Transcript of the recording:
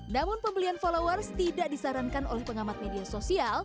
namun pembelian followers tidak disarankan oleh pengamat media sosial